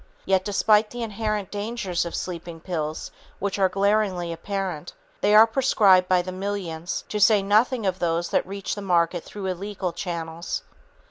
Yet, despite the inherent dangers of sleeping pills which are glaringly apparent, they are prescribed by the millions, to say nothing of those that reach the market through illegal channels.